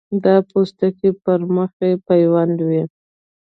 دا پوستکی پر مخ یې پیوند وي.